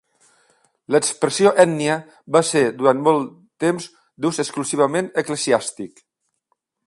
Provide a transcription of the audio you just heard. L'expressió ètnia va ser, durant molt temps, d'ús exclusivament eclesiàstic.